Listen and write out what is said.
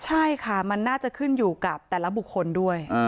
ใช่ค่ะมันน่าจะขึ้นอยู่กับแต่ละบุคคลด้วย